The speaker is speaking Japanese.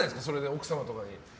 奥様とかに。